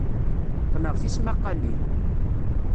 Qqneɣ tismaqqalin.